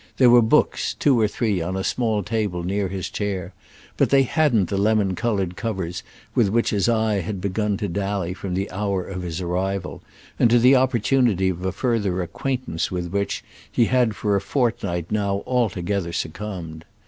There were books, two or three, on a small table near his chair, but they hadn't the lemon coloured covers with which his eye had begun to dally from the hour of his arrival and to the opportunity of a further acquaintance with which he had for a fortnight now altogether succumbed.